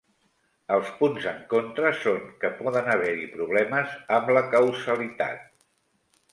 Els punts en contra són que poden haver-hi problemes amb la causalitat.